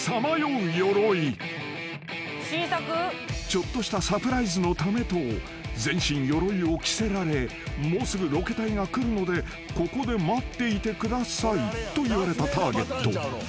［ちょっとしたサプライズのためと全身ヨロイを着せられもうすぐロケ隊が来るのでここで待っていてくださいと言われたターゲット］